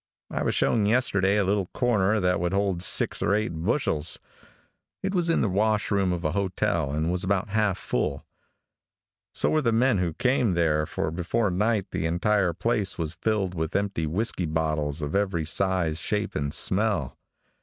I was shown yesterday a little corner that would hold six or eight bushels. It was in the wash room of a hotel, and was about half full. So were the men who came there, for before night the entire place was filled with empty whisky bottles of every size, shape and smell.